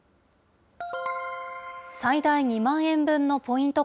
最大２万円分のポイント